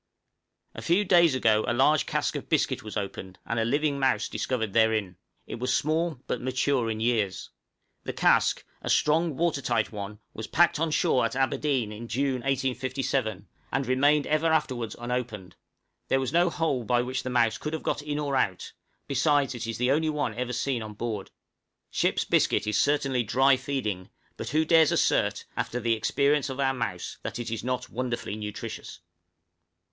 _" A few days ago a large cask of biscuit was opened, and a living mouse discovered therein! it was small, but mature in years. The cask, a strong watertight one, was packed on shore at Aberdeen, in June, 1857, and remained ever afterwards unopened; there was no hole by which the mouse could have got in or out, besides it is the only one ever seen on board. Ship's biscuit is certainly dry feeding, but who dares assert, after the experience of our mouse, that it is not wonderfully nutritious?